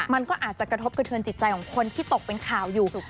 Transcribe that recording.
มันก็อาจจะกระทบกระเทือนจิตใจของคนที่ตกเป็นข่าวอยู่